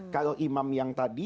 kalau imam yang tadi